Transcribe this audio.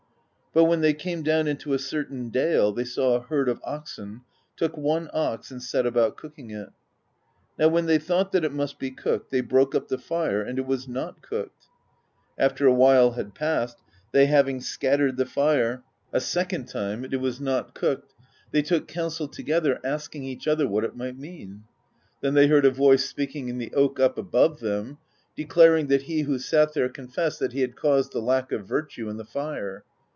But when they came down into a cer tain dale, they saw a herd of oxen, took one ox, and set about cooking it. Now when they thought that it must be cooked, they broke up the fire, and it was not cooked. After a while had passed, they having scattered the fire a * Usually translated "Poetical Diction.'* ^ Now Laess0. 90 PROSE EDDA second time, and it was not cooked, they took counsel to gether, asking each other what it might mean. Then they heard a voice speaking in the oak up above them, declar ing that he who sat there confessed he had caused the lack of virtue in the fire.